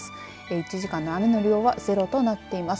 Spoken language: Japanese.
１時間の雨の量はゼロとなっています。